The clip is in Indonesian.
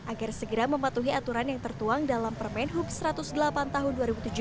agar segera mematuhi aturan yang tertuang dalam permen hub satu ratus delapan tahun dua ribu tujuh belas